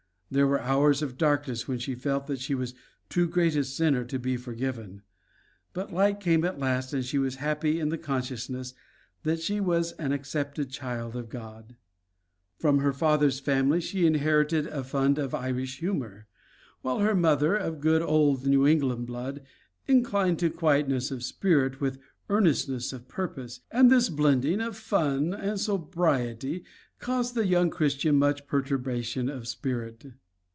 There were hours of darkness when she felt that she was too great a sinner to be forgiven, but light came at last and she was happy in the consciousness that she was an accepted child of God. From her father's family she inherited a fund of Irish humor, while her mother, of good old New England blood, inclined to quietness of spirit with earnestness of purpose; and this blending of fun and sobriety caused the young Christian much perturbation of spirit.